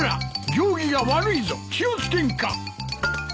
行儀が悪いぞ気を付けんか。